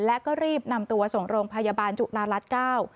และก็รีบนำตัวส่งโรงพยาบาลจุฬารัฐเก้า